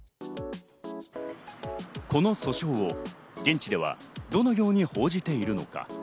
この訴訟を現地ではどのように報じているのか。